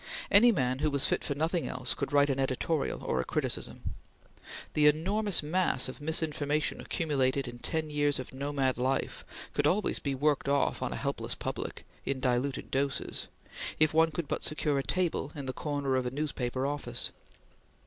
Any man who was fit for nothing else could write an editorial or a criticism. The enormous mass of misinformation accumulated in ten years of nomad life could always be worked off on a helpless public, in diluted doses, if one could but secure a table in the corner of a newspaper office.